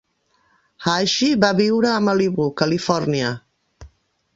Haji va viure a Malibu, Califòrnia.